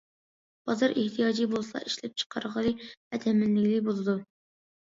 بازار ئېھتىياجى بولسىلا، ئىشلەپچىقارغىلى ۋە تەمىنلىگىلى بولىدۇ.